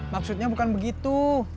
maksudnya bukan begitu